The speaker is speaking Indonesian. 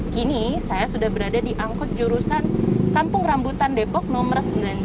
kini saya sudah berada di angkut jurusan kampung rambutan depok nomor sembilan belas